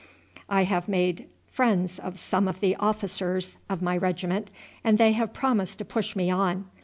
I have made friends of some of the officers of my regiment, and they have promised to push me on.